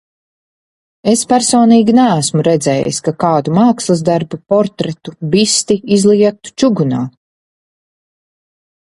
Es personīgi neesmu redzējis, ka kādu mākslas darbu, portretu, bisti, izlietu čugunā.